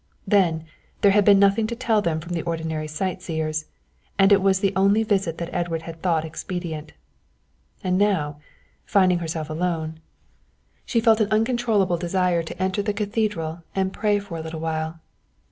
Then, there had been nothing to tell them from the ordinary sight seers, and it was the only visit that Edward had thought expedient. And now, finding herself alone, she felt an uncontrollable desire to enter the cathedral and pray for a little while.